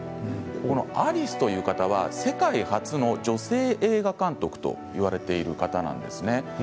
このアリスという方は世界初の女性映画監督といわれている方なんですね。